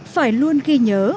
phải luôn ghi nhớ